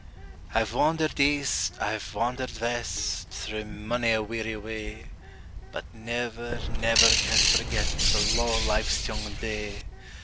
I've wandered east, I've wandered west, Through mony a weary way; But never, never can forget The luve o' life's young day!